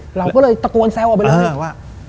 เราก็เลยตะโกนแซวออกไปเลยว่า